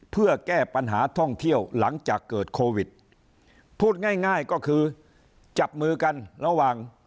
เพื่อแก้ปัญหาท่องเที่ยวหลังจากเกิดโควิดพูดง่ายง่ายก็คือจับมือกันระหว่าง